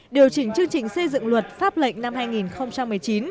điều chỉnh chương trình xây dựng luật pháp lệnh năm hai nghìn một mươi chín